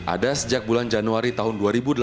ada sejak bulan januari tahun dua ribu delapan belas